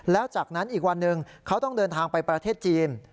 แล้วจากนั้นอีกวันหนึ่งเขาต้องเดินทางไปประเทศจีน